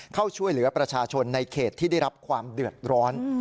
เข้าช่วยเหลือประชาชนในเขตที่ได้รับความเดือดร้อน